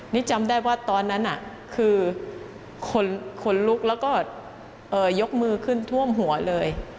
นี่จำได้ว่าตอนนั้นคือคนลุกแล้วก็ยกมือขึ้นท่วมหัวเลย